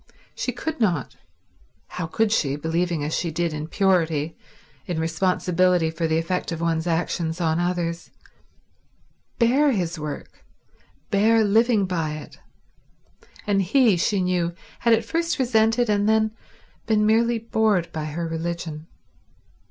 She could not—how could she, believing as she did in purity, in responsibility for the effect of one's actions on others—bear his work, bear living by it; and he she knew, had at first resented and then been merely bored by her religion.